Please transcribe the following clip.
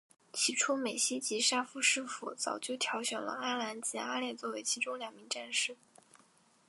起初美希及沙夫师傅早就挑选了阿兰及阿烈作为其中两名战士。